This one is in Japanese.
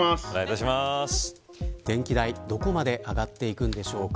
電気代、どこまで上がっていくんでしょうか。